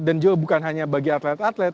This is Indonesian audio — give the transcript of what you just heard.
dan juga bukan hanya bagi atlet atlet